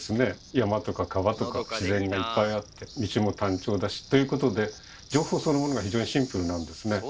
山とか川とか自然がいっぱいあって道も単調だしということで情報そのものが非常にシンプルなんですね。